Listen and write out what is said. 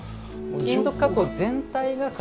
金属加工全体が錺。